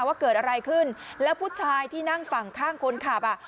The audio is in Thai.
ว่าเกิดอะไรขึ้นแล้วผู้ชายที่นั่งฝั่งข้างคนขับอ่ะ